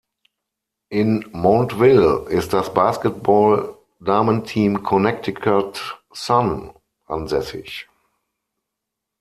In Montville ist das Basketball-Damenteam Connecticut Sun ansässig.